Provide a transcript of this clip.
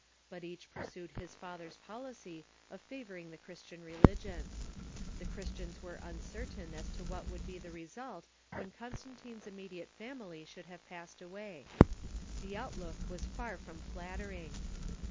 But each pursued his father's policy of fa voring the Christian religion. The Christians Avere uncertain as to what would be the result when Constantine's immediate family should have passed away. The outlook was far from flattering.